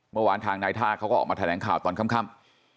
เมื่อวานทางนายท่าเขาก็ออกมาแถลงข่าวตอนค่ำ